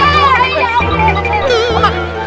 gak bisa kemana mana